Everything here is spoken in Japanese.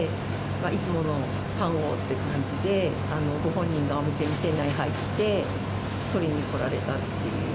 いつものパンをって感じで、ご本人がお店に、店内に入って、取りに来られたっていう。